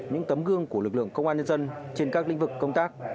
những tấm gương của lực lượng công an nhân dân trên các lĩnh vực công tác